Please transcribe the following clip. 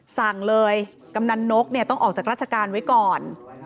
สั่งเลยกำนันนกเนี่ยต้องออกจากราชการไว้ก่อน